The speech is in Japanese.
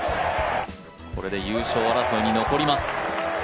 これで優勝争いに残ります。